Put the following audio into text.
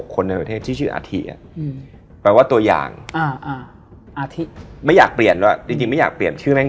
คือที่นี้ต้อง